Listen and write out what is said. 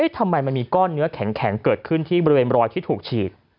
ทำไมมันมีก้อนเนื้อแข็งเกิดขึ้นที่บริเวณรอยที่ถูกฉีก